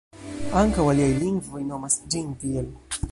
Ankaŭ aliaj lingvoj nomas ĝin tiel.